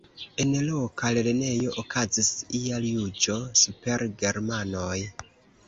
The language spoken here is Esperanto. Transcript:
En loka lernejo okazis ia juĝo super germanoj.